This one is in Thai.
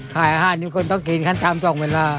ถ่ายอาหารที่คนต้องกินขั้นทั้ง๒เวลา